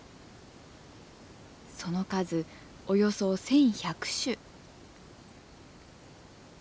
その数およそ１，１００種。